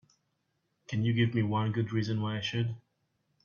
Can you give me one good reason why I should?